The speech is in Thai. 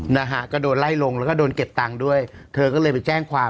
นะฮะก็โดนไล่ลงแล้วก็โดนเก็บตังค์ด้วยเธอก็เลยไปแจ้งความ